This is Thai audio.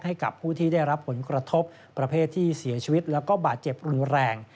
ให้กับผู้ที่ได้รับผลกระทบประเภทที่เสียชีวิตแล้วก็บาดเจ็บรุนแรง